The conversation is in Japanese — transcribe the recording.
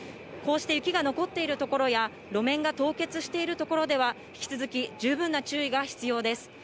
こうして雪が残っている所や、路面が凍結している所では、引き続き、十分な注意が必要です。